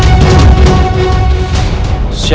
aku tahu memang ceritanya